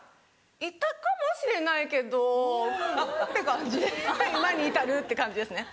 いたかもしれないけどうんって感じで今に至るって感じですね。